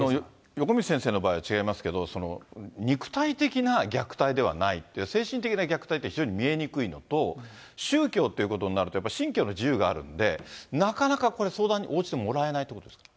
横道先生の場合は違いますけど、肉体的な虐待ではない、精神的な虐待って、非常に見えにくいのと、宗教っていうことになると、やっぱり信教の自由があるんで、なかなか相談に応じてもらえないということですか？